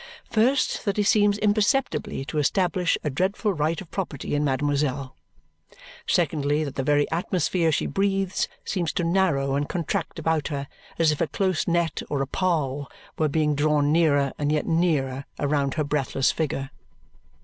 First, that he seems imperceptibly to establish a dreadful right of property in mademoiselle. Secondly, that the very atmosphere she breathes seems to narrow and contract about her as if a close net or a pall were being drawn nearer and yet nearer around her breathless figure.